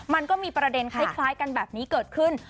มันก็มีประเด็นคล้ายกันแบบนี้เกิดขึ้น